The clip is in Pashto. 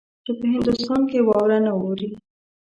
چې په هندوستان کې واوره نه اوري.